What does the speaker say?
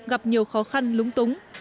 gặp nhiều khó khăn lúng túng